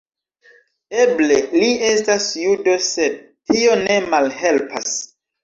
Eble li estas judo, sed tio ne malhelpas.